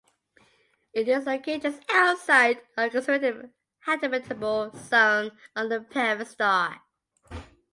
It is located just outside of the conservative habitable zone of the parent star.